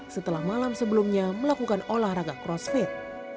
setelah malam sebelumnya melakukan olahraga crossfit